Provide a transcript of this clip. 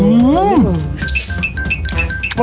อื้อหือ